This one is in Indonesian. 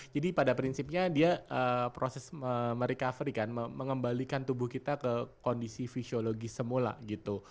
jadi pada prinsipnya dia proses merecovery kan mengembalikan tubuh kita ke kondisi fisiologis semula gitu